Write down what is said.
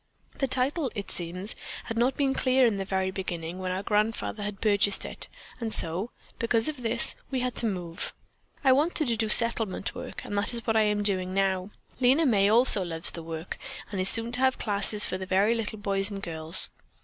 The title, it seems, had not been clear in the very beginning, when our great grandfather had purchased it, and so, because of this, we had to move. I wanted to do settlement work, and that is what I am doing now. Lena May also loves the work, and is soon to have classes for the very little boys and girls.